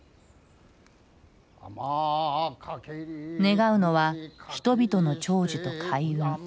願うのは人々の長寿と開運。